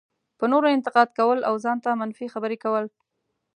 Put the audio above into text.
په نورو انتقاد کول او ځان ته منفي خبرې کول.